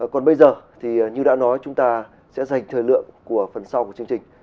còn bây giờ thì như đã nói chúng ta sẽ dành thời lượng của phần sau của chương trình